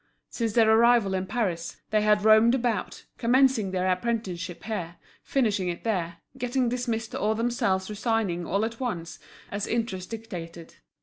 Since their arrival in Paris, they had roamed about, commencing their apprenticeship here, finishing it there, getting dismissed or themselves resigning all at once, as interest dictated.